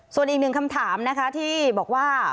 ส่วนอีกหนึ่งคำถามนะคะที่บอกว่า